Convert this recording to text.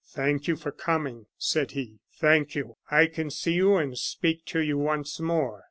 "Thank you for coming," said he, "thank you. I can see you and speak to you once more.